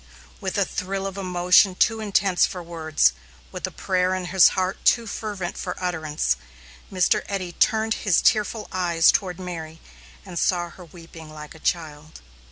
With a thrill of emotion too intense for words, with a prayer in his heart too fervent for utterance, Mr. Eddy turned his tearful eyes toward Mary and saw her weeping like a child.